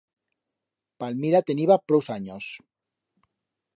Palmira teniba prous anyos.